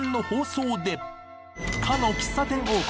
かの喫茶店王国